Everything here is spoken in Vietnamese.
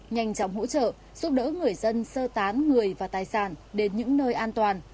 nhanh chóng hỗ trợ giúp đỡ người dân sơ tán người và tài sản đến những nơi an toàn